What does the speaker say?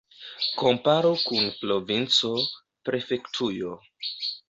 Komparu kun provinco, prefektujo.